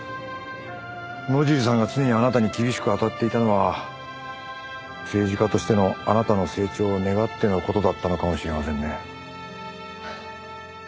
野尻さんが常にあなたに厳しく当たっていたのは政治家としてのあなたの成長を願っての事だったのかもしれませんね。